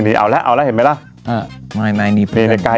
นี่เอาแล้วเห็นไหมละ